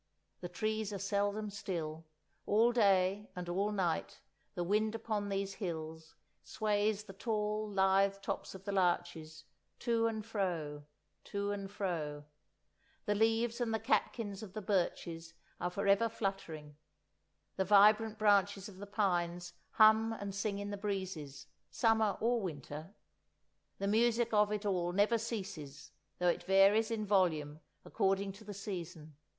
The trees are seldom still; all day and all night the wind upon these hills sways the tall, lithe tops of the larches to and fro, to and fro; the leaves and the catkins of the birches are for ever fluttering; the vibrant branches of the pines hum and sing in the breezes, summer or winter; the music of it all never ceases though it varies in volume according to the season.